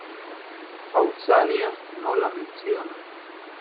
Pausanias no la menciona.